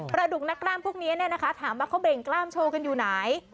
ประดุกนักกล้ามพวกนี้เนี่ยนะคะถามว่าเขาเบร่งกล้ามโชว์กันอยู่ไหน